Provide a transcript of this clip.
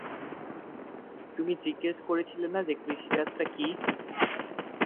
তুমি জিজ্ঞেস করেছিলে না যে কৃষিকাজটা কী?